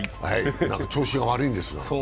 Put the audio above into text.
調子が悪いんですかね。